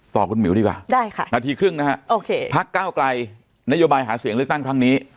ตอบคุณหมิวดีกว่านาทีครึ่งนะฮะภักดิ์ก้าวกลายนโยบายหาเสียงลึกตั้งครั้งนี้